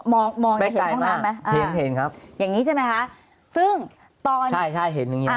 มองอย่างนี้เห็นห้องน้ำไหมครับอย่างนี้ใช่ไหมครับซึ่งตอนใช่เห็นอย่างนี้